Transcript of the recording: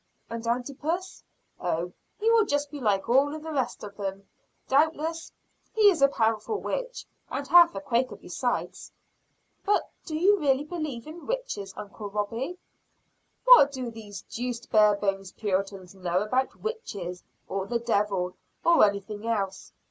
"And Antipas?" "Oh, he will just be like all the rest of them, doobtless. He is a powerful witch, and half a Quaker, besides." "But do you really believe in witches, uncle Robie?" "What do these deuced Barebones Puritans know about witches, or the devil, or anything else?